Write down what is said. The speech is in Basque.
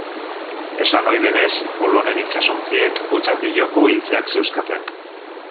Esan ohi denez, Kolonen itsasontziek Otxandioko iltzeak zeuzkaten.